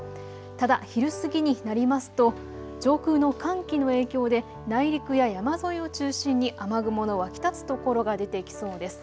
ただ昼過ぎになりますと上空の寒気の影響で内陸や山沿いを中心に雨雲の湧き立つところが出てきそうです。